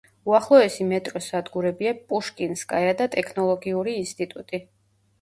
უახლოესი მეტროს სადგურებია „პუშკინსკაია“ და „ტექნოლოგიური ინსტიტუტი“.